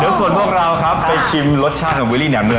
เดี๋ยวส่วนพวกเราไปชิมรสชาติวิวิลลี่แหน่มเหนื่อย